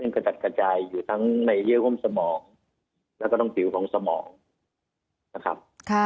กระจัดกระจายอยู่ทั้งในเยื่อห่้มสมองแล้วก็ต้องติ๋วของสมองนะครับ